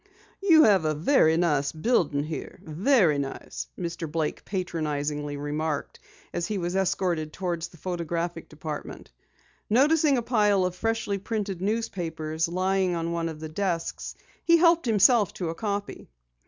"You have a very nice building here, very nice," Mr. Blake patronizingly remarked as he was escorted toward the photographic department. Noticing a pile of freshly printed newspapers lying on one of the desks, he helped himself to a copy.